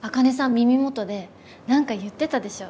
耳元で何か言ってたでしょ？